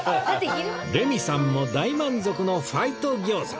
レミさんも大満足のファイト餃子